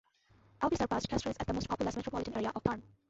Albi surpassed Castres as the most populous metropolitan area of Tarn.